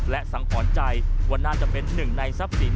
และสังหรณ์ใจว่าน่าจะเป็นหนึ่งในทรัพย์สิน